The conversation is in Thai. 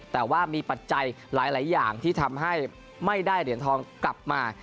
แต่ว่ามีปัจจัยหลายอย่างที่ทำให้ไม่ได้เหรียญทองกลับมา